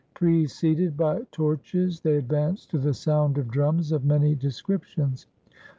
Preceded by torches they advanced to the sound of drums of many descriptions.